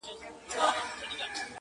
او مدیرانو صاحبانو